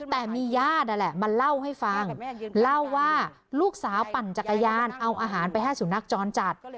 แต่มีญาตินั่นแหละมาเล่าให้ฟังเล่าว่าลูกสาวปั่นจักรยานเอาอาหารไปให้สุนัขจรจัด